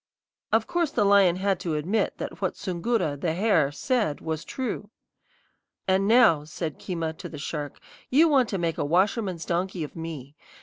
"Of course the lion had to admit that what Soongoora, the hare, said was true. "And now," said Keema to the shark, "you want to make a washerman's donkey of me.